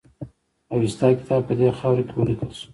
اوستا کتاب په دې خاوره کې ولیکل شو